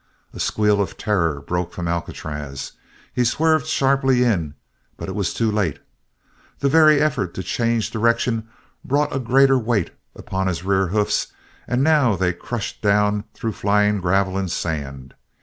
A squeal of terror broke from Alcatraz. He swerved sharply in, but it was too late. The very effort to change direction brought a greater weight upon his rear hoofs and now they crushed down through flying gravel and sand.